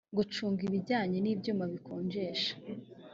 gucunga ibijyanye n ibyuma bikonjesha